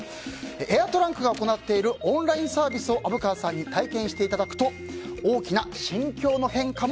エアトランクが行っているオンラインサービスを虻川さんに体験していただくと大きな心境の変化も